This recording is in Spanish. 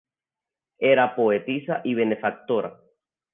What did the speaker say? Era poetisa y benefactora.